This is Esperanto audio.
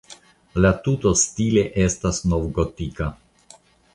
La tuto stile estas novgotika.